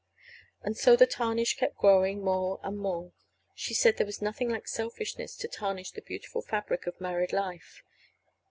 And so the tarnish kept growing more and more. She said there was nothing like selfishness to tarnish the beautiful fabric of married life.